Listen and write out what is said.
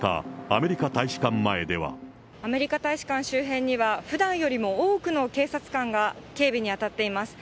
アメリカ大使館周辺には、ふだんよりも多くの警察官が警備に当たっています。